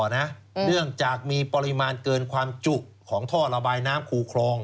เนื่องจากมีปริมาณเกินความจุของท่อระบายน้ำคูคลอง